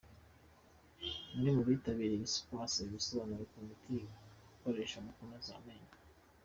Umwe mu bitabiriye Expo asaba ibisobanuro ku miti koreshwa mu koza amenyo.